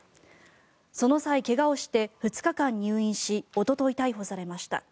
その際、怪我をして２日間入院しおととい逮捕されました。